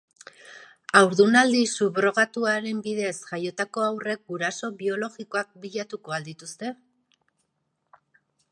Haurdunaldi subrogatuaren bidez jaiotako haurrek guraso biologikoak bilatuko al dituzte?